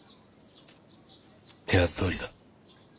手はずどおりだ。